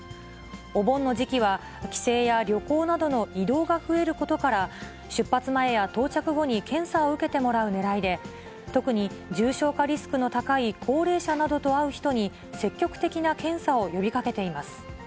お盆の時期は帰省や旅行などの移動が増えることから、出発前や到着後に検査を受けてもらうねらいで、特に、重症化リスクの高い高齢者などと会う人に、積極的な検査を呼びかけています。